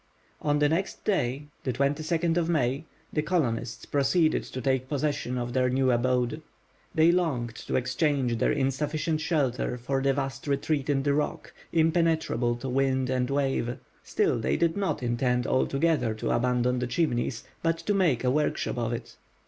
On the next day, May 22, the colonists proceeded to take possession of their new abode. They longed to exchange their insufficient shelter for the vast retreat in the rock, impenetrable to wind and wave. Still they did not intend altogether to abandon the Chimneys, but to make a workshop of it.